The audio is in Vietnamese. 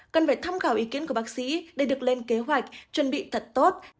cần phải tham khảo ý kiến của bác sĩ để được lên kế hoạch chuẩn bị thật tốt